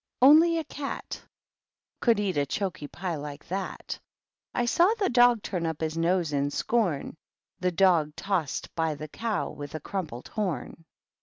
255 Only a Cat Could eat a choky pie like that; I saw the Dog turn up his nose in sco7*n, — The Dog tossed by the Cow with crumpled horn.